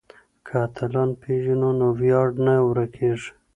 که اتلان وپېژنو نو ویاړ نه ورکيږي.